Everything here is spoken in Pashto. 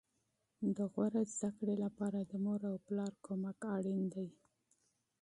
د غوره زده کړې لپاره د مور او پلار مرسته لازمي ده